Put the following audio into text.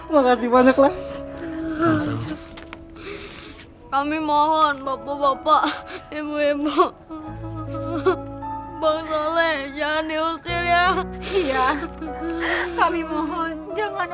makasih banyaklah kami mohon bapak bapak ibu ibu bang sole jangan diusir ya iya kami mohon jangan